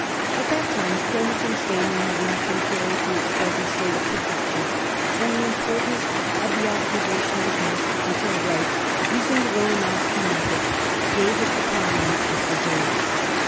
At that time chromatin staining had not been carried to its present state of perfection, and the importance of the observation was missed until Wright, using the Romanowsky method, gave it the prominence it deserves.